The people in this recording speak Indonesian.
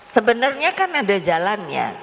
sebenarnya kan ada jalannya